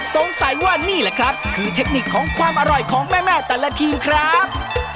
สงสัยว่านี่แหละครับคือเทคนิคของความอร่อยของแม่แต่ละทีมครับ